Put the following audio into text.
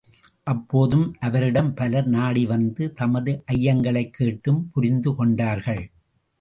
அப்போதும், அவரிடம் பலர் நாடிவந்து தமது ஐயங்களைக்கேட்டும் புரிந்து கொண்டார்கள்.